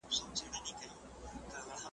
د دښمن له فکر او مِکره ناپوهي ده `